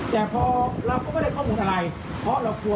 แต่เขาไม่เรียกไอ้สองคนก่อนให้เข้าไป